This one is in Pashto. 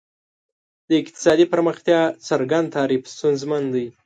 د اقتصادي پرمختیا څرګند تعریف ستونزمن دی.